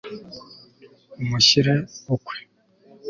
umushyire ukwe